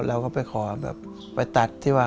เราก็ไปขอแบบไปตัดที่ว่า